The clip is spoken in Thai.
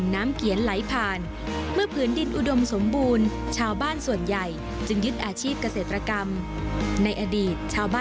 ในอดีตชาวบ้านที่ปลา